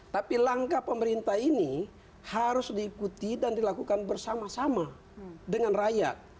tapi langkah pemerintah ini harus diikuti dan dilakukan bersama sama dengan rakyat